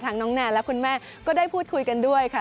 น้องแนนและคุณแม่ก็ได้พูดคุยกันด้วยค่ะ